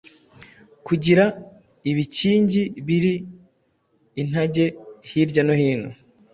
kugira ibikingi biri intage hirya no hino.